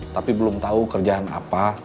tapi belum tahu kerjaan apa